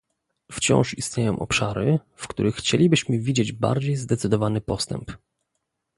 Wciąż istnieją obszary, w których chcielibyśmy widzieć bardziej zdecydowany postęp